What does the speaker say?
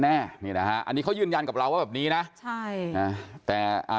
แน่นี่นะฮะอันนี้เขายืนยันกับเราว่าแบบนี้นะใช่อ่าแต่อ่า